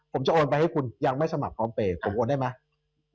ผมจะโอนไปให้คุณยังไม่สมัครพร้อมเปย์ผมโอนได้ไหม